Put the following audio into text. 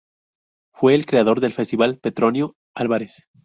Fue el creador del Festival Petronio Álvarez.